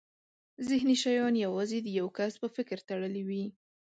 ذهني شیان یوازې د یو کس په فکر تړلي وي.